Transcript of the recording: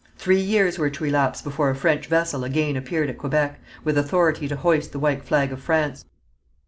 Three years were to elapse before a French vessel again appeared at Quebec, with authority to hoist the white flag of France.